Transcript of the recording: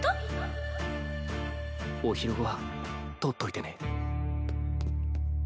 お昼ご飯取っといてね。